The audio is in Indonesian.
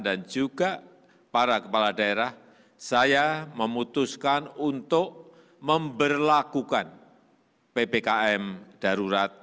dan juga para kepala daerah saya memutuskan untuk memberlakukan ppkm darurat